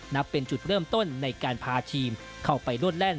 นับเป็นจุดเริ่มต้นในการพาทีมเข้าไปรวดแล่น